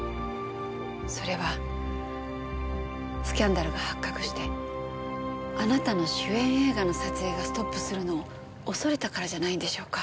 それはスキャンダルが発覚してあなたの主演映画の撮影がストップするのを恐れたからじゃないんでしょうか？